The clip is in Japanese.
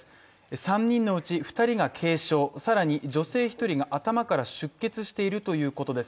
３人のうち２人が軽傷、さらに女性１人が頭から出血しているということです。